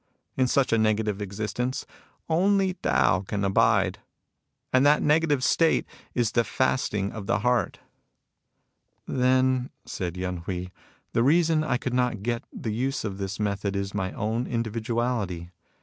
In such a negative existence, only Tao can abide. And that negative state is the fasting of the heart." '* Then," said Yen Hui, " the reason I could not get the use of this method is my own in dividuality.